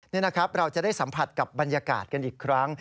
นี่นะครับเราจะได้สัมผัสกับบรรยากาศกันอีกครั้ง